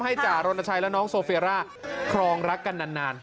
จ่ารณชัยและน้องโซเฟียร่าครองรักกันนาน